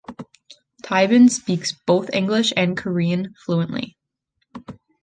Taebin speaks both English and Korean fluently.